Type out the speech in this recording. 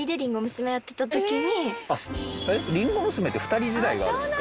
りんご娘って２人時代があるんですか？